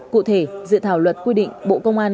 cụ thể dự thảo luật quy định bộ công an